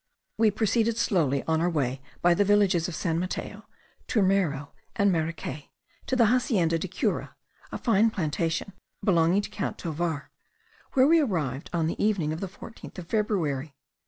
We proceeded slowly on our way by the villages of San Mateo, Turmero, and Maracay, to the Hacienda de Cura, a fine plantation belonging to Count Tovar, where we arrived on the evening of the fourteenth of February.